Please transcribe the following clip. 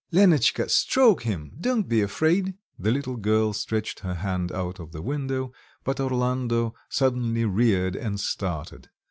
"Lenotchka, stroke him, don't be afraid." The little girl stretched her hand out of the window, but Orlando suddenly reared and started.